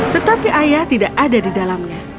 tetapi ayah tidak ada di dalamnya